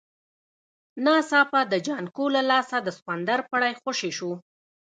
ناڅاپه د جانکو له لاسه د سخوندر پړی خوشی شو.